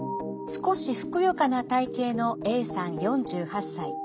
少しふくよかな体型のＡさん４８歳。